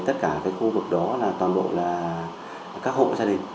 tất cả khu vực đó là toàn bộ là các hộ gia đình